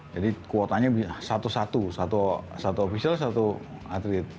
jadi kuotanya satu satu satu ofisial satu atlet